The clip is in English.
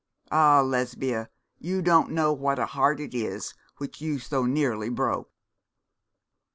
Ah, Lesbia, you don't know what a heart it is which you so nearly broke.'